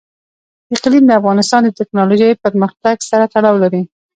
اقلیم د افغانستان د تکنالوژۍ پرمختګ سره تړاو لري.